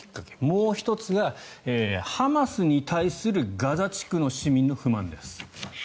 もう１つがハマスに対するガザ地区の市民の不満です。